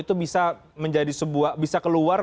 itu bisa keluar